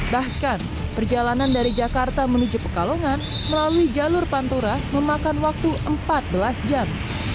bahkan perjalanan dari jakarta menuju pekalongan melalui jalur pantura memakan waktu empat belas jam